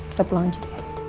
kita pulang aja